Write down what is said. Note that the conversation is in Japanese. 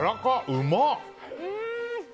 うまっ！